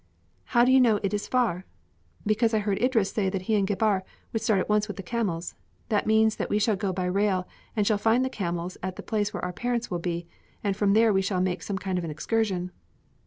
"How do you know it is far?" "Because I heard Idris say that he and Gebhr would start at once with the camels. That means that we shall go by rail and shall find the camels at the place where our parents will be, and from there we shall make some kind of an excursion."